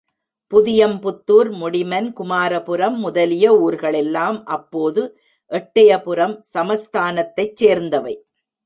புதியம்புத்துார், முடிமன், குமாரபுரம் முதலிய ஊர்களெல்லாம் அப்போது எட்டையபுரம் சமஸ்தானத்தைச் சேர்ந்தவை.